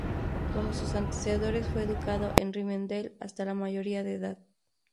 Como sus antecesores fue educado en Rivendel hasta la mayoría de Edad.